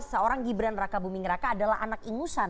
seorang gibran raka buming raka adalah anak ingusan